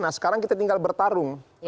nah sekarang kita tinggal bertarung